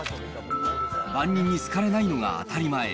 万人に好かれないのが当たり前。